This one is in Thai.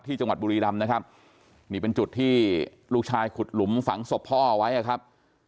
จังหวัดบุรีรำนะครับนี่เป็นจุดที่ลูกชายขุดหลุมฝังศพพ่อไว้นะครับ